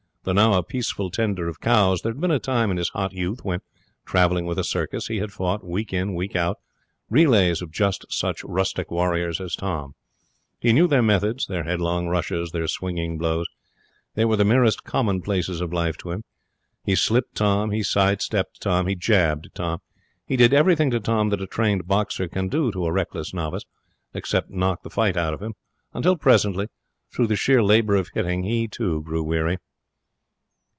Though now a peaceful tender of cows, there had been a time in his hot youth when, travelling with a circus, he had fought, week in, week out, relays of just such rustic warriors as Tom. He knew their methods their headlong rushes, their swinging blows. They were the merest commonplaces of life to him. He slipped Tom, he side stepped Tom, he jabbed Tom; he did everything to Tom that a trained boxer can do to a reckless novice, except knock the fight out of him, until presently, through the sheer labour of hitting, he, too, grew weary.